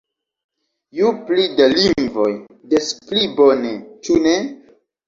Ju pli da lingvoj, des pli bone, ĉu ne?